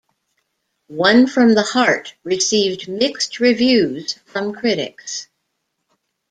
"One from the Heart" received mixed reviews from critics.